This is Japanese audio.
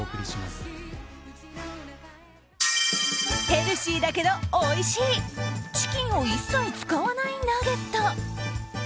ヘルシーだけどおいしいチキンを一切使わないナゲット。